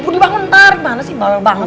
gue dibangun ntar gimana sih bawel banget